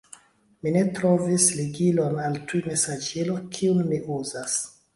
Mi ne trovis ligilon al tujmesaĝilo, kiun mi uzas.